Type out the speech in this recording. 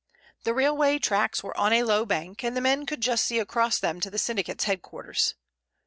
The railway tracks were on a low bank, and the men could just see across them to the syndicate's headquarters.